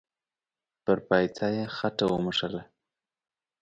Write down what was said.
پر پايڅه يې خټه و موښله.